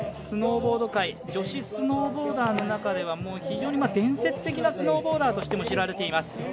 スノーボード界女子スノーボーダーの中ではもう非常に伝説的なスノーボーダーとしても知られています。